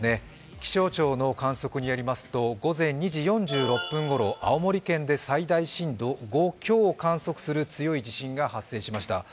気象庁の観測によりますと、午前２時４６分ごろ青森県で最大震度５強を観測する強い地震が発生しました。